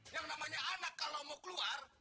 yang namanya anak kalau mau keluar